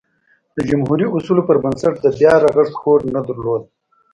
د جمهوري اصولو پربنسټ د بیا رغښت هوډ نه درلود.